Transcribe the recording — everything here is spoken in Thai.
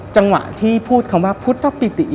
จังหวะที่พูดคำว่า